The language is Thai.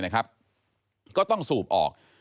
ก็ต้องสูบออก